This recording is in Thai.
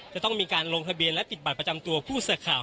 จะต้องมีการลงทะเบียนและปิดบัตรประจำตัวผู้สื่อข่าว